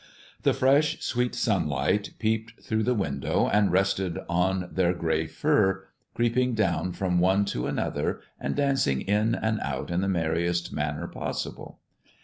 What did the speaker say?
The fresh, sweet sunlight peeped through the window and rested on their gray fur, creeping down from one to another and dancing in and out in the merriest manner possible.